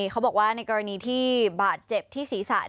เขาบอกว่าในกรณีที่บาดเจ็บที่ศีรษะ